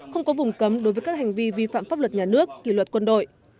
không có vùng cấm đối với các hành vi vi phạm pháp luật nhà nước kỷ luật quân đội